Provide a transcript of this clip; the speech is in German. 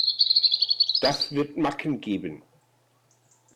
Das wird Macken geben.